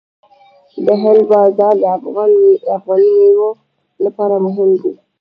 د هند بازار د افغاني میوو لپاره مهم دی.